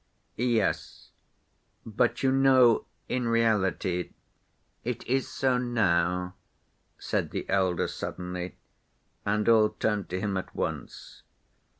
"Yes, but you know, in reality it is so now," said the elder suddenly, and all turned to him at once.